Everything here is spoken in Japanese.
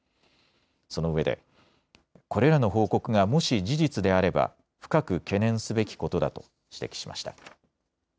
そのうえでこれらの報告がもし事実であれば深く懸念すべきことだと指摘しました。